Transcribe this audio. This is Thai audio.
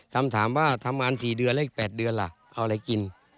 คำถามว่าทำงาน๔เดือนแล้วอีก๘เดือนล่ะเอาอะไรกิน